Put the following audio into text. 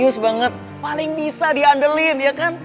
news banget paling bisa diandelin ya kan